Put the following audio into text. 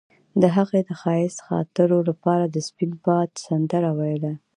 هغې د ښایسته خاطرو لپاره د سپین باد سندره ویله.